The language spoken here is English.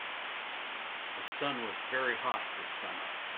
The sun was very hot this summer.